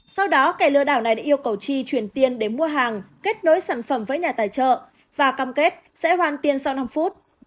sau đó kẻ lừa đảo này đã yêu cầu chi chuyển tiền để mua hàng kết nối sản phẩm với nhà tài trợ và cam kết sẽ hoàn tiên sau năm phút